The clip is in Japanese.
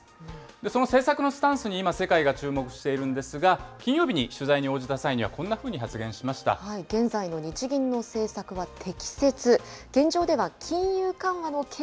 その政策のスタンスに今、世界が注目しているんですが、金曜日に取材に応じた際には、こんなふう現在の日銀の政策は適切。